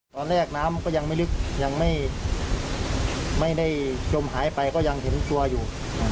ตอนแรกน้ำก็ยังไม่ลึกยังไม่ได้จมหายไปก็ยังเห็นตัวอยู่